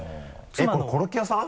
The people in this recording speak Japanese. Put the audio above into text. えっこれコロッケ屋さん？